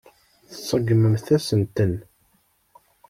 Tseggmemt-asen-ten.